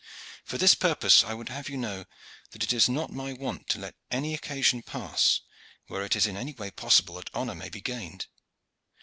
For this purpose I would have you know that it is not my wont to let any occasion pass where it is in any way possible that honor may be gained.